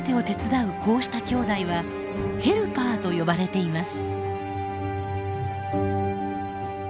こうした兄弟は「ヘルパー」と呼ばれています。